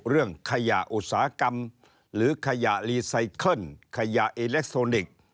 เรื่องขยะอุตสาหกรรมหรือขยะรีไซเคิลขยะอิเล็กทรอนิกส์